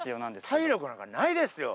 体力なんかないですよ。